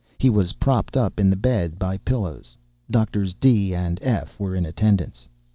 He was propped up in the bed by pillows. Doctors D—— and F—— were in attendance.